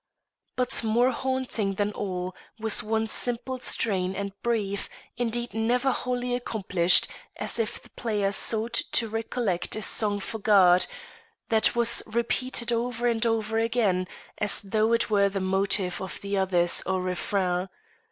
But more haunting than all was one simple strain and brief, indeed never wholly accomplished, as if the player sought to recollect a song forgot, that was repeated over and over again, as though it were the motive of the others or refrain.